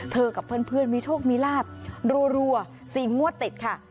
กับเพื่อนมีโชคมีลาบรัว๔งวดติดค่ะ